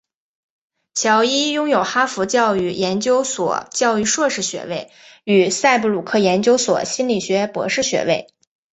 乔伊拥有哈佛教育研究所教育硕士学位与赛布鲁克研究所心理学博士学位。